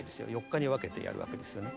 ４日に分けてやるわけですよね。